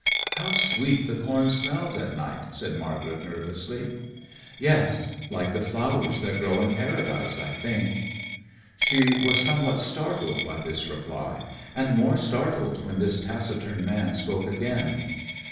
"How sweet the corn smells at night," said Margaret nervously. "Yes, like the flowers that grow in paradise, I think." She was somewhat startled by this reply, and more startled when this taciturn man spoke again.